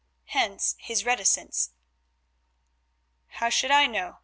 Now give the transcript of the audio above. Hence his reticence. "How should I know?"